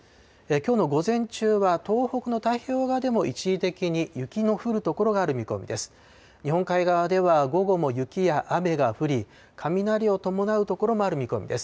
きょうの午前中は、東北の太平洋側でも一時的に雪の降る所がある見込みです。